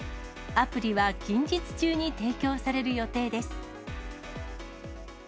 アプリは近日中に提供される予定です。